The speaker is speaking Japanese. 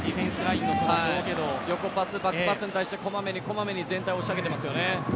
横パス、バックパスに対してこまめに押し上げてますよね。